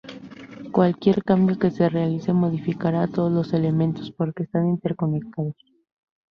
Cualquier cambio que se realice modificará a todos los elementos, porque están interconectados.